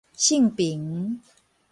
性平